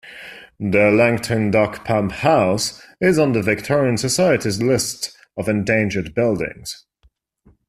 The Langton Dock Pump House is on the Victorian Society's list of endangered buildings.